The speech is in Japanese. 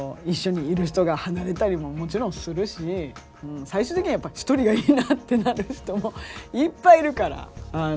一緒にいる人が離れたりももちろんするし最終的には一人がいいなってなる人もいっぱいいるから。